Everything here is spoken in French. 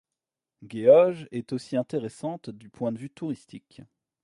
Geoje est aussi intéressante du point de vue touristique.